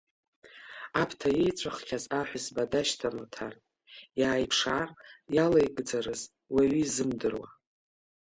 Аԥҭа ииҵәаххьаз аҳәызба дашьҭан Оҭар, иааиԥшаар иалеигӡарыз уаҩы изымдыруа.